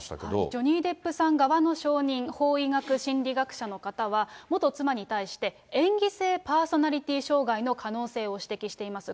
ジョニー・デップさん側の証人、法医学心理学者の方は、元妻に対して、演技性パーソナリティー障害の可能性を指摘しています。